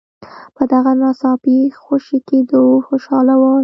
په دغه ناڅاپي خوشي کېدلو خوشاله ول.